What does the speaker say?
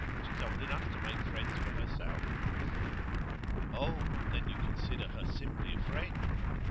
She's old enough to make friends for herself.' 'Oh, then you consider her simply a friend?